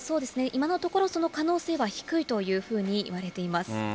今のところ、その可能性は低いというふうにいわれています。